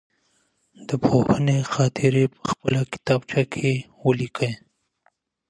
د پوهنځي خاطرې په خپله کتابچه کي ولیکئ.